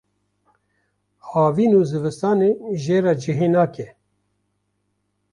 havîn û zivistanê jê re cihê nake.